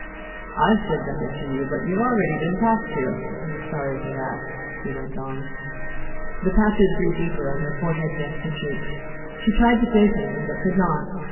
"I have said nothing to you, but you have already been talked to. And I am sorry for that," he went on. The patches grew deeper on her forehead, neck, and cheeks. She tried to say something but could not.